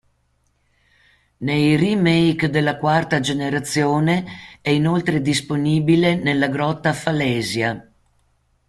Nei remake della quarta generazione è inoltre disponibile nella Grotta Falesia.